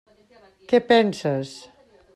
Què penses?